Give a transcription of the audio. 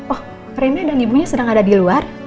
oh frenda dan ibunya sedang ada di luar